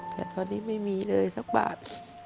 แต่ตอนนี้ไม่มีเลยสักบาท